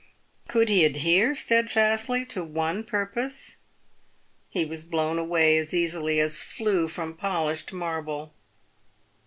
Could he adhere steadfastly to one purpose ? He was blown away as easily as flue from polished marble.